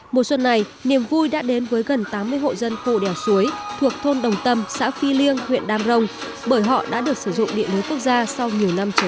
mùa xuân này niềm vui đã đến với gần tám mươi hộ dân khu đèo chuối thuộc thôn đồng tâm xã phi liêng huyện đam rông bởi họ đã được sử dụng điện lưới quốc gia sau nhiều năm chờ đợi